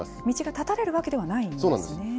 道が断たれるわけではないんですね。